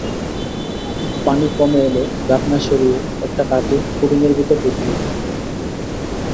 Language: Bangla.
পানি কমে এলে ঢাকনা সরিয়ে একটা কাঠি পুডিংয়ের ভেতরে ঢুকিয়ে দিন।